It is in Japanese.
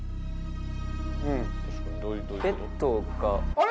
ベッドが？